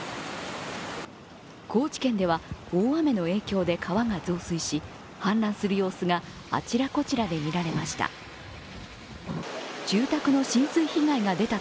高知県では大雨の影響で川が増水し氾濫する様子があちらこちらで見られました。